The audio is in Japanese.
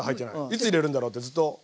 いつ入れるんだろうってずっと。